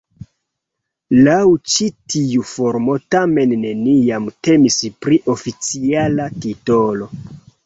Laŭ ĉi tiu formo tamen neniam temis pri oficiala titolo.